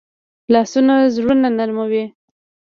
لاسونه زړونه نرموي